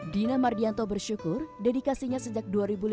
dina mardianto bersyukur dedikasinya sejak dua ribu lima belas